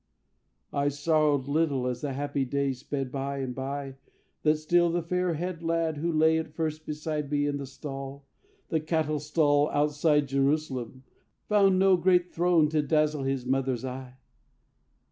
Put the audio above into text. "I sorrowed little as the happy days Sped by and by that still the fair haired lad Who lay at first beside me in the stall, The cattle stall outside Jerusalem, Found no great throne to dazzle his mother's eye.